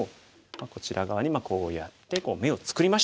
こちら側にこうやって眼を作りました。